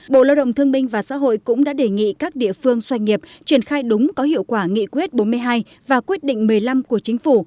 bộ lao động thương minh và xã hội cũng đã đề nghị các địa phương doanh nghiệp triển khai đúng có hiệu quả nghị quyết bốn mươi hai và quyết định một mươi năm của chính phủ